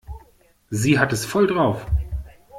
Sie hat es voll drauf.